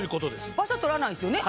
場所取らないですよね。